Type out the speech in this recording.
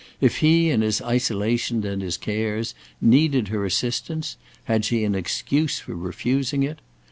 If he, in his isolation and his cares, needed her assistance, had she an excuse for refusing it?